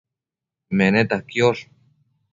Meneta quiosh